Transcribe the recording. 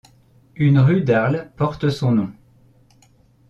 Une rue d'Arles porte son nom.